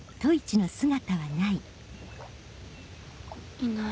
いない。